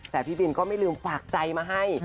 แต่พี่บินก็ไม่ลืมฝากใจมาให้